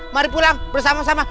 mari pulang bersama sama